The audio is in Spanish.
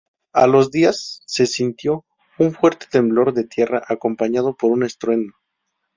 A los días se sintió un fuerte temblor de tierra acompañado por un estruendo.